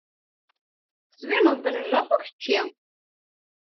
Tettbineḍ-d n Japu kečči.